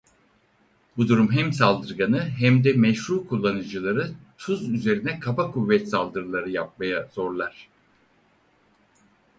Bu durum hem saldırganı hem de meşru kullanıcıları tuz üzerine kaba kuvvet saldırıları yapmaya zorlar.